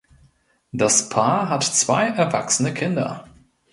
Das Paar hat zwei erwachsene Kinder.